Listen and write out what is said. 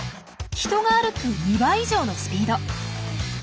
人が歩く２倍以上のスピード！